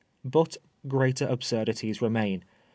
But greater absurdities remain.